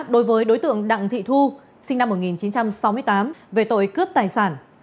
đối với đối tượng đặng thị thu sinh năm một nghìn chín trăm sáu mươi tám về tội cướp tài sản